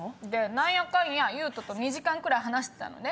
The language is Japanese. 何やかんやユウトと２時間くらい話してたのね。